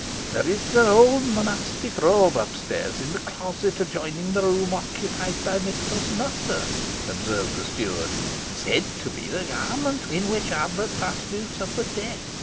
"There is an old monastic robe up stairs, in the closet adjoining the room occupied by Mistress Nutter," observed the steward, "said to be the garment in which Abbot Paslew suffered death.